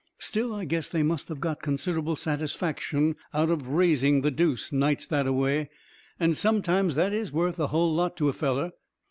Still, I guess they must of got considerable satisfaction out of raising the deuce nights that away; and sometimes that is worth a hull lot to a feller.